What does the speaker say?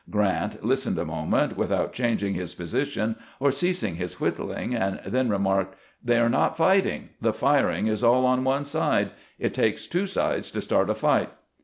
Grant listened a moment without changing his position or ceasing his whittling, and then remarked :" They are not fighting ; the firing is all on one side. It takes two sides to start a fight."